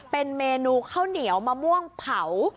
เป็นเมนูข้าวเหนียวมะม่วงเผา